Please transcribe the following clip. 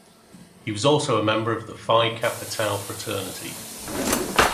He was also a member of the Phi Kappa Tau fraternity.